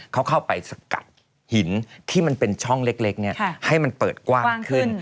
เขาเข้าไปสกัดหินที่มันเป็นช่องเล็กให้มันเปิดกว้างขึ้น